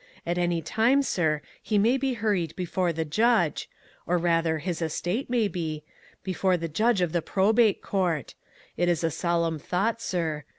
At any time, sir, he may be hurried before the Judge, or rather his estate may be, before the Judge of the probate court. It is a solemn thought, sir.